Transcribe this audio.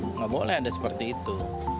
tidak boleh ada seperti itu